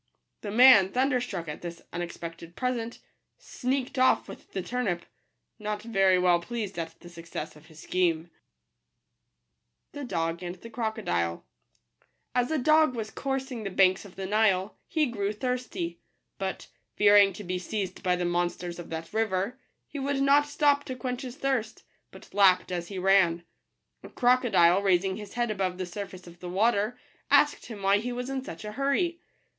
The man, thunderstruck at this unex pected present, sneaked off with the turnip, not very well pleased at the success of his scheme. M ' i.' 1 s ©D* Wo% mb t\)t ®rocofeflt* a ^°8 was cours i n g the banks of the Nile, he grew thirsty; but, fearing to he seized by the monsters of that river, he would not stop to quench his thirst, but lapped as he ran. A crocodile, raising his head above the surface of the water, asked him why he was in such a hurry.